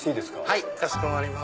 はいかしこまりました。